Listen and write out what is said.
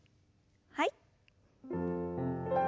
はい。